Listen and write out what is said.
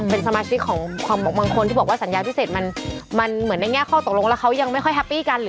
เป็นสมาชิกของคนบอกว่าสัญญาณพิเศษมันเหมือนในแหง่ข้อตกลงเขายังไม่ค่อยเฮปปี้กัน